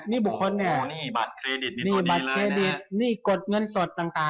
นี่บาทเคดดดูดีเลยนะคะ